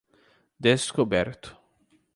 Descoberto